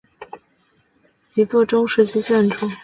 图尔库城堡是位于芬兰城市图尔库的一座中世纪建筑。